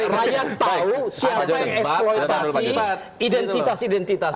rakyat tahu siapa yang eksploitasi identitas identitas